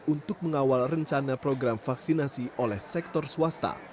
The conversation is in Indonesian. untuk mengawal rencana program vaksinasi oleh sektor swasta